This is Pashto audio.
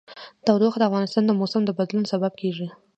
تودوخه د افغانستان د موسم د بدلون سبب کېږي.